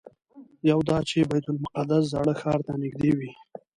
یو دا چې بیت المقدس زاړه ښار ته نږدې وي.